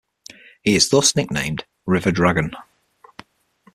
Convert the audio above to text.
He is thus nicknamed "River Dragon".